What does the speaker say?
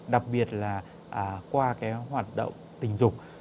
đặc biệt là qua hoạt động tình dục